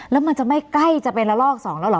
แล้วมันจะไม่ใกล้จะเป็นละลอก๒แล้วเหรอ